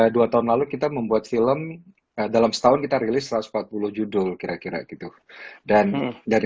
dua tahun lalu kita membuat film dalam setahun kita rilis satu ratus empat puluh judul kira kira gitu dan dari